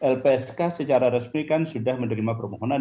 lpsk secara resmi kan sudah menerima permohonan